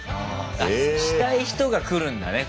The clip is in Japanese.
したい人が来るんだね